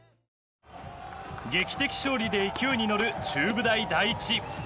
劇的勝利で勢いに乗る中部大第一。